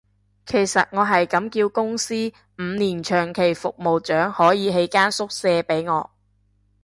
其實我係咁叫公司，五年長期服務獎可以起間宿舍畀我